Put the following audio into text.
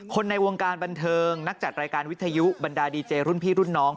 ในวงการบันเทิงนักจัดรายการวิทยุบรรดาดีเจรุ่นพี่รุ่นน้อง